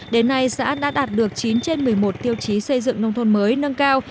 đến nay xã đã đạt được chín trên một mươi một tiêu chí xây dựng nông thôn mới nâng cao